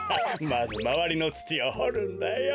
まずまわりのつちをほるんだよ。